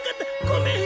ごめん！